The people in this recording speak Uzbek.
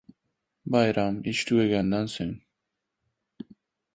• Bayram ― ish tugagandan so‘ng.